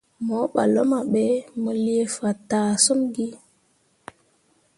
Mo ɓah luma ɓe, mu lii fataa summi.